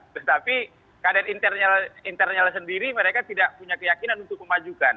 tetapi kader internal sendiri mereka tidak punya keyakinan untuk memajukan